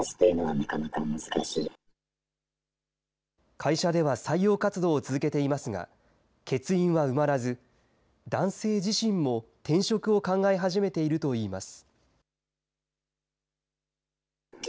会社では採用活動を続けていますが、欠員は埋まらず、男性自身も転職を考え始めているといいます。